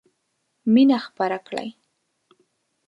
مينه خپره کړئ.